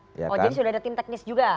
oh jadi sudah ada tim teknis juga